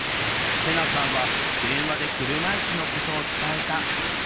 セナさんは電話で車いすのことを伝えた。